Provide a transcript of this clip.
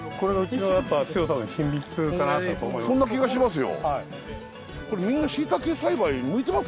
そんな気がしますよ。